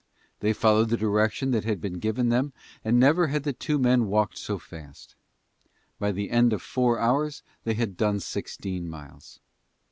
They followed the direction that had been given them, and never had the two men walked so fast. By the end of four hours they had done sixteen miles.